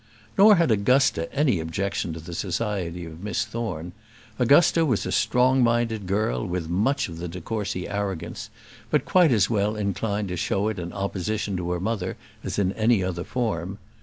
Nor had Augusta any objection to the society of Miss Thorne. Augusta was a strong minded girl, with much of the de Courcy arrogance, but quite as well inclined to show it in opposition to her mother as in any other form.